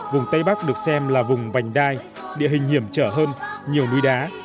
vùng tây bắc được xem là vùng vành đai địa hình hiểm trở hơn nhiều núi đá